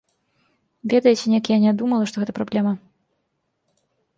Ведаеце, неяк я не думала, што гэта праблема.